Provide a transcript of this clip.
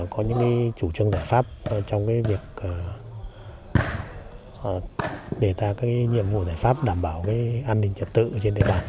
có những chủ trương giải pháp trong việc đề ra các nhiệm vụ giải pháp đảm bảo an ninh trật tự trên địa bàn